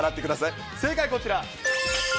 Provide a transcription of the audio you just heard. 正解はこちら。